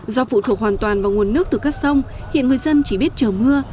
do phụ thuộc hoàn toàn vào nguồn nước từ các sông hiện người dân chỉ biết chờ mưa